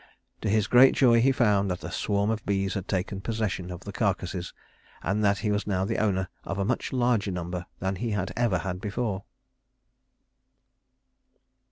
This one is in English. To his great joy he found that a swarm of bees had taken possession of the carcasses, and that he was now the owner of a much larger number than he had ever had before.